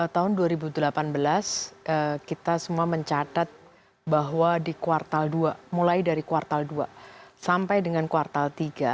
tahun dua ribu delapan belas kita semua mencatat bahwa di kuartal dua mulai dari kuartal dua sampai dengan kuartal tiga